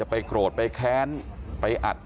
แต่ว่าวินนิสัยดุเสียงดังอะไรเป็นเรื่องปกติอยู่แล้วครับ